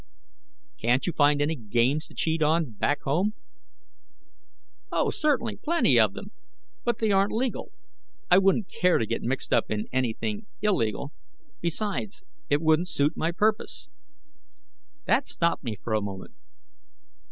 "Can't you find any games to cheat on back home?" "Oh, certainly. Plenty of them. But they aren't legal. I wouldn't care to get mixed up in anything illegal. Besides, it wouldn't suit my purpose." That stopped me for a moment.